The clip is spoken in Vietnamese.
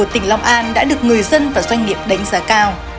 tỉnh long an đã được người dân và doanh nghiệp đánh giá cao